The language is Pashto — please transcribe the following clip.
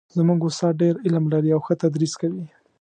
زموږ استاد ډېر علم لري او ښه تدریس کوي